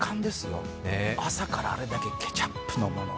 朝からあれだけケチャップのものを。